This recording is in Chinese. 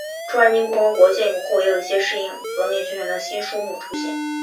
中华人民共和国建国后也有一些适应革命宣传的新书目出现。